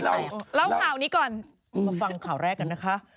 เล่าข่าวนี้ก่อนมาฟังข่าวแรกกันนะคะ